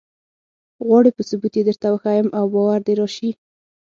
غواړې په ثبوت یې درته وښیم او باور دې راشي.